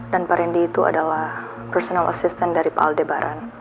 dan pak rendy itu adalah personal assistant dari pak aldebaran